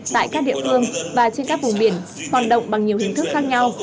tại các địa phương và trên các vùng biển hoạt động bằng nhiều hình thức khác nhau